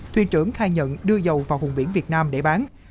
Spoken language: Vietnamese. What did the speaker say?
thuyền trưởng khai nhận đưa dầu vào vùng biển việt nam để bán